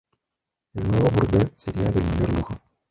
El nuevo burdel sería del mayor lujo.